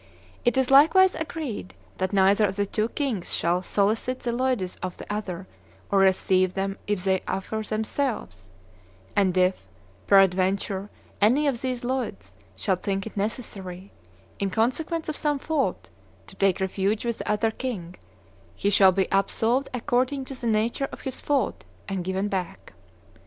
It is likewise agreed that neither of the two kings shall solicit the Leudes of the other or receive them if they offer themselves; and if, peradventure, any of these Leudes shall think it necessary, in consequence of some fault, to take refuge with the other king, he shall be absolved according to the nature of his fault and given back.